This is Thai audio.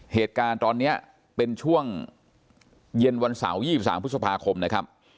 เหตุการณ์ตอนนี้เป็นช่วงเย็นวันเสาร์๒๓พฤษภาคมนะครับ